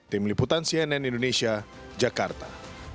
tim liputan cnn indonesia jakarta